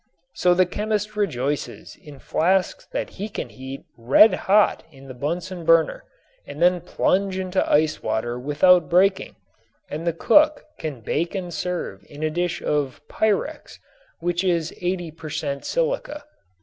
So the chemist rejoices in flasks that he can heat red hot in the Bunsen burner and then plunge into ice water without breaking, and the cook can bake and serve in a dish of "pyrex," which is 80 per cent. silica.